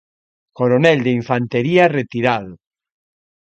Coronel de Infantería retirado.